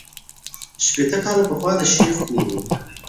شپېته کاله پخوا د شیخ کور وو.